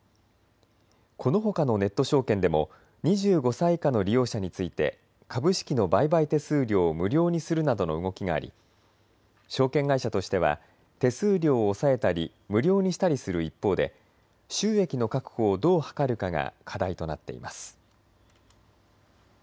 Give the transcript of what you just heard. このほかのネット証券でも２５歳以下の利用者について株式の売買手数料を無料にするなどの動きがあり証券会社としては手数料を抑えたり無料にしたりする一方で収益の確保をどう図るかが課題となっています。